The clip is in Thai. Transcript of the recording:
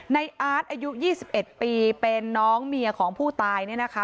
อาร์ตอายุ๒๑ปีเป็นน้องเมียของผู้ตายเนี่ยนะคะ